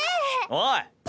おい！